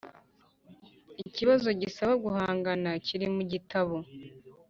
ikibazo gisaba guhanga kiri mu gitabo